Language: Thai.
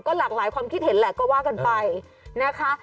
หลากหลายความคิดเห็นแหละก็ว่ากันไปนะคะ